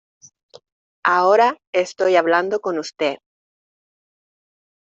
ahora estoy hablando con usted.